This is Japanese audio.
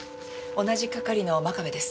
同じ係の真壁です。